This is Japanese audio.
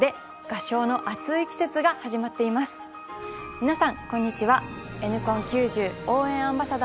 みなさんこんにちは。